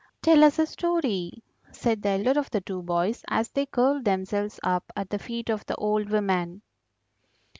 "Tell us a story," said the elder of the two boys, as they curled themselves up at the feet of the old woman.